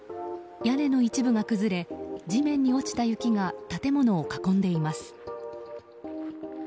屋根の一部が崩れ地面に落ちた雪が建物を囲んでいます。